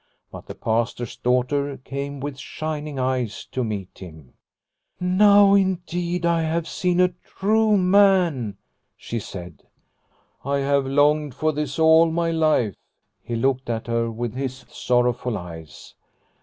But the Pastor's daughter came with shining eyes to meet him. " Now, indeed, I have seen a true man," she said. " I have longed for this all my life." He looked at her with his sorrowful eyes.